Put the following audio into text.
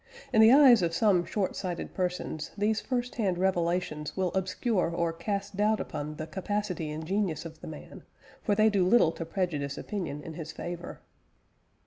In the eyes of some short sighted persons, these first hand revelations will obscure or cast doubt upon the capacity and genius of the man, for they do little to prejudice opinion in his favour.